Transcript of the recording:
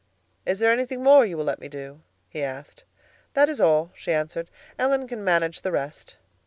"Is there anything more you will let me do?" he asked. "That is all," she answered. "Ellen can manage the rest."